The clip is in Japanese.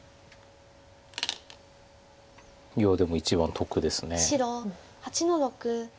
いやでも一番得です。